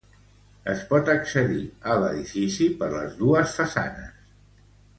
Es pot accedir a l'edifici per les dues façanes.